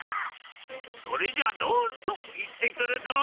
それじゃあドンといってくるドン！